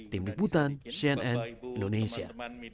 tim liputan cnn indonesia